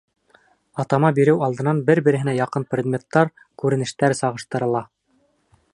Атама биреү алдынан бер-береһенә яҡын предметтар, күренештәр сағыштырыла.